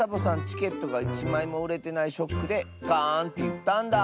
チケットがいちまいもうれてないショックでガーンっていったんだ。